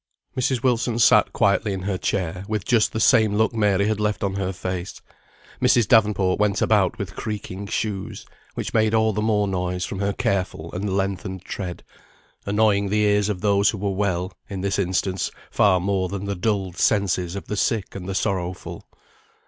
Mrs. Wilson sat quietly in her chair, with just the same look Mary had left on her face; Mrs. Davenport went about with creaking shoes, which made all the more noise from her careful and lengthened tread, annoying the ears of those who were well, in this instance, far more than the dulled senses of the sick and the sorrowful.